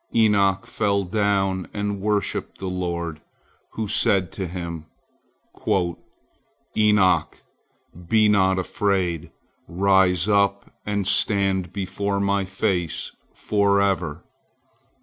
Enoch fell down and worshipped the Lord, who said to him: "Enoch, be not afraid! Rise up and stand before My face forever."